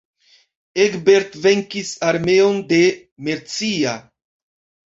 Egbert venkis armeon de Mercia.